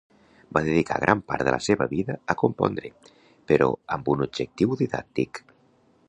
Va dedicar gran part de la seva vida a compondre, però amb un objectiu didàctic.